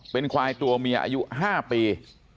เป็นควายตัวเมียอายุ๕ปี